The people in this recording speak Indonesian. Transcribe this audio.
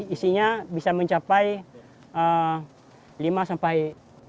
isinya bisa mencapai lima sampai dua puluh kilo